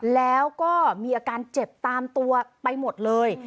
แล้วก็มีอาการเจ็บตามตัวไปหมดเลย